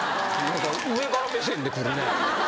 上から目線でくるね。